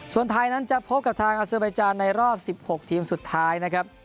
ส่วนไทยนั้นจะพบกับทางอาเซอร์ไบจานในรอบ๑๖ทีมสุดท้ายนะครับ